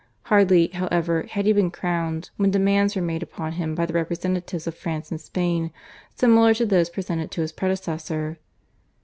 Hardly, however, had he been crowned when demands were made upon him by the representatives of France and Spain similar to those presented to his predecessor.